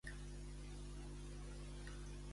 Sobre què voldria convocar-ne un la primera ministra?